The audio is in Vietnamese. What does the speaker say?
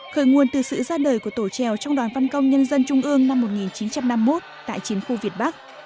khởi nguồn từ sự ra đời của tổ trèo trong đoàn văn công nhân dân trung ương năm một nghìn chín trăm năm mươi một tại chiến khu việt bắc